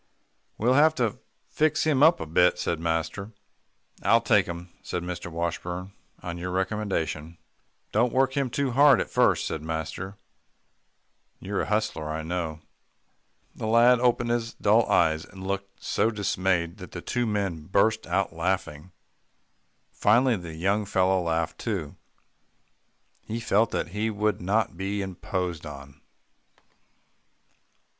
"We'll have to fix him up a bit," said master. "I'll take him," said Mr. Washburn, "on your recommendation." "Don't work him too hard at first," said master. "You're a hustler, I know." The lad opened his dull eyes, and looked so dismayed, that the two men burst out laughing. Finally the young fellow laughed too. He felt that he would not be imposed on.